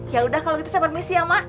ya udah kalau gitu saya permisi ya mak